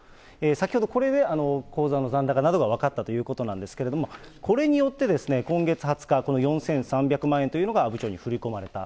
先ほどこれで口座の残高などが分かったということなんですけれども、これによって今月２０日、この４３００万円というのが阿武町に振り込まれた。